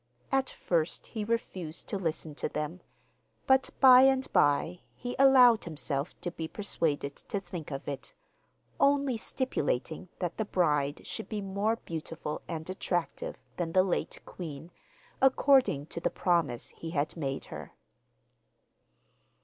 At first he refused to listen to them, but by and by he allowed himself to be persuaded to think of it, only stipulating that the bride should be more beautiful and attractive than the late queen, according to the promise he had made her.